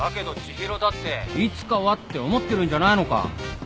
いつかはって思ってるんじゃないのか？